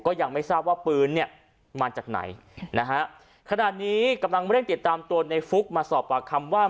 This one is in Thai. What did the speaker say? ก็ยังไม่ทราบว่าปืนเนี่ยมาจากไหนนะฮะขณะนี้กำลังเร่งติดตามตัวในฟุกมาสอบปากคำว่า